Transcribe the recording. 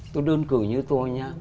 tôi đơn cử như tôi nhá